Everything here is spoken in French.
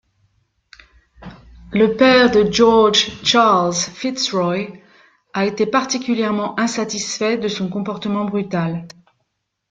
Le père de George, Charles FitzRoy, a été particulièrement insatisfait de son comportement brutal.